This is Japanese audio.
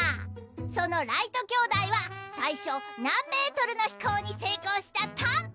そのライト兄弟は最初何ｍの飛行に成功したトン？